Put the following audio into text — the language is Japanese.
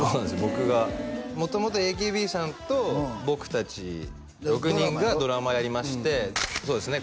僕が元々ＡＫＢさんと僕達６人がドラマやりましてそうですね